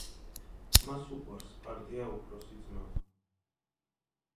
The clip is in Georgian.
მას უყვარს პარტია, „უფროსი ძმა“.